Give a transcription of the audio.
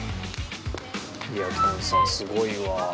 いやきょんさんすごいわ。